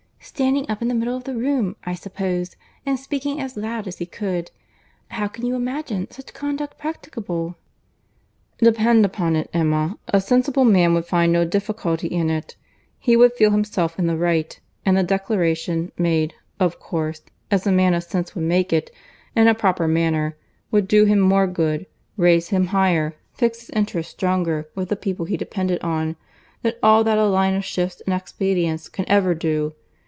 —Standing up in the middle of the room, I suppose, and speaking as loud as he could!—How can you imagine such conduct practicable?" "Depend upon it, Emma, a sensible man would find no difficulty in it. He would feel himself in the right; and the declaration—made, of course, as a man of sense would make it, in a proper manner—would do him more good, raise him higher, fix his interest stronger with the people he depended on, than all that a line of shifts and expedients can ever do.